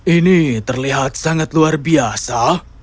ini terlihat sangat luar biasa